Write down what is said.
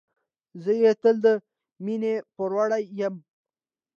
زه یې تل د مينې پوروړی یم.